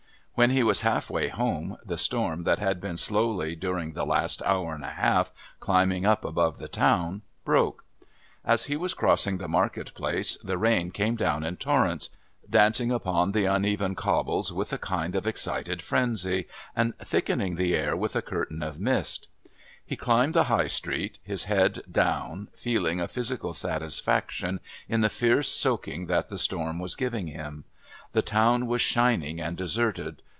When he was half way home the storm that had been slowly, during the last hour and a half, climbing up above the town, broke. As he was crossing the market place the rain came down in torrents, dancing upon the uneven cobbles with a kind of excited frenzy, and thickening the air with a curtain of mist. He climbed the High Street, his head down, feeling a physical satisfaction in the fierce soaking that the storm was giving him. The town was shining and deserted.